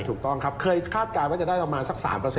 ถูกต้องครับเคยคาดการณ์ว่าจะได้ประมาณสัก๓